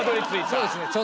そうですね。